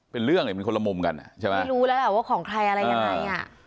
เป็นเรื่องเนี่ยมันคนละมุมกันอ่ะใช่ไหมไม่รู้แล้วแหละว่าของใครอะไรยังไงอ่ะ